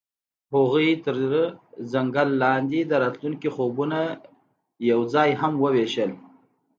هغوی د ځنګل لاندې د راتلونکي خوبونه یوځای هم وویشل.